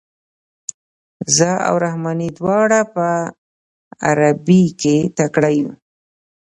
زه او رحماني دواړه په عربي کې تکړه یو.